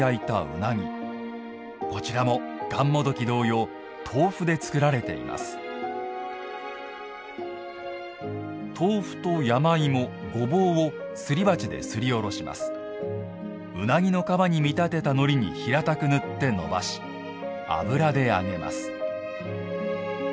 うなぎの皮に見立てた、のりに平たく塗って伸ばし油で揚げます。